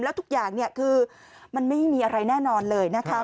แล้วทุกอย่างเนี่ยคือมันไม่มีอะไรแน่นอนเลยนะคะ